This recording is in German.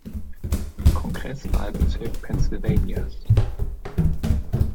Kongresswahlbezirk Pennsylvanias.